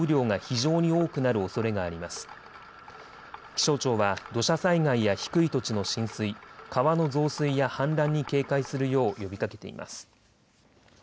気象庁は土砂災害や低い土地の浸水、川の増水や氾濫に警戒するよう呼びかけています。